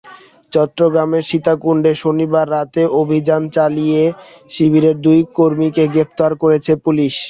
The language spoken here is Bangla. চট্টগ্রামের সীতাকুণ্ডে শনিবার রাতে অভিযান চালিয়ে শিবিরের দুই কর্মীকে গ্রেপ্তার করেছে পুলিশ।